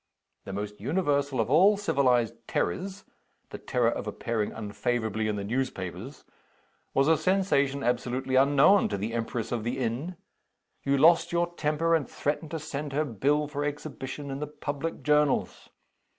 The most universal of all civilized terrors the terror of appearing unfavorably in the newspapers was a sensation absolutely unknown to the Empress of the Inn. You lost your temper, and threatened to send her bill for exhibition in the public journals.